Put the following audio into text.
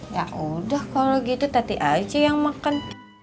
ya udah kalau gitu tati aja yang makan